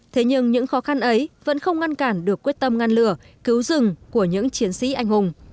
thế nhưng những khó khăn ấy vẫn không ngăn cản được quyết tâm ngăn lửa cứu rừng của những chiến sĩ anh hùng